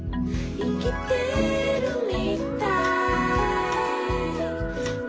「いきてるみたい」